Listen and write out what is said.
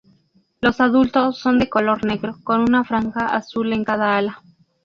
Los adultos son de color negro con una franja azul en cada ala.